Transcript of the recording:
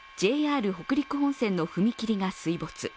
ＪＲ北陸本線の踏切が水没。